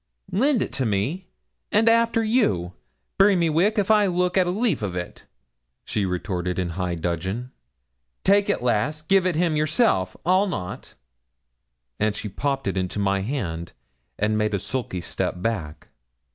'Lend it to me and after you! Bury me wick if I look at a leaf of it,' she retorted in high dudgeon. 'Take it, lass; give it him yourself I'll not,' and she popped it into my hand, and made a sulky step back.